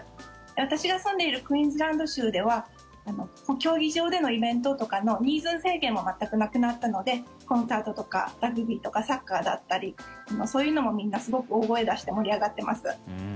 私が住んでいるクイーンズランド州では競技場でのイベントとかの人数制限も全くなくなったのでコンサートとかラグビーとかサッカーだったりそういうのも、みんなすごく大声を出して盛り上がってます。